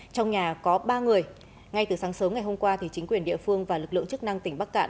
trong nhà có ba người ngay từ sáng sớm ngày hôm qua chính quyền địa phương và lực lượng chức năng tỉnh bắc cạn